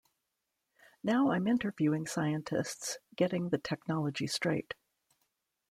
Now I'm interviewing scientists, getting the technology straight.